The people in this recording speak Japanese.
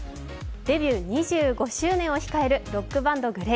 デビュー２５周年を控えるロックバンド、ＧＬＡＹ。